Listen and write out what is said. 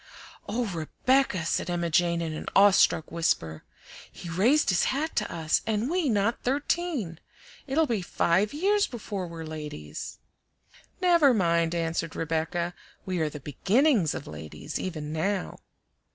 "Oh, Rebecca!" said Emma Jane in an awe struck whisper. "He raised his hat to us, and we not thirteen! It'll be five years before we're ladies." "Never mind," answered Rebecca; "we are the BEGINNINGS of ladies, even now."